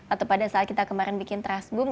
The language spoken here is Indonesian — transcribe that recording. atau pada saat kita kemarin bikin trust boom